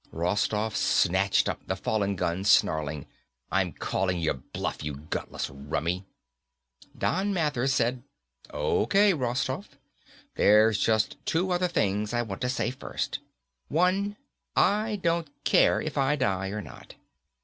Rostoff snatched up the fallen gun, snarling, "I'm calling your bluff, you gutless rummy." Don Mathers said, "Okay, Rostoff. There's just two other things I want to say first. One I don't care if I die or not.